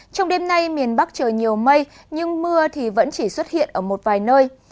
trong đêm nay miền bắc trời nhiều mây nhưng mưa thì vẫn chỉ xuất hiện ở một vài nơi